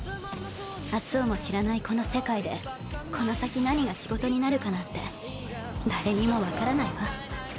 明日をも知らないこの世界でこの先何が仕事になるかなんて誰にも分からないわ。